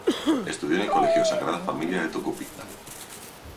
Estudió en el colegio "Sagrada Familia" de Tucupita.